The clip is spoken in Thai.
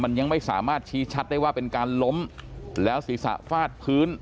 มันยังไม่สามารถชี้ชัดได้ว่าเป็นการล้มแล้วศีรษะฟาดพื้น